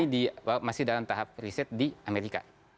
ini masih dalam tahap riset di amerika